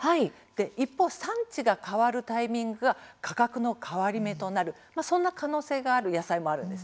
一方、産地が変わるタイミングが価格の変わり目となるそんな可能性がある野菜もあるんです。